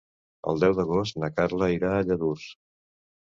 El deu d'agost na Carla irà a Lladurs.